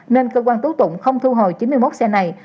nên cơ quan tố tụng không thu hồi chín mươi một xe này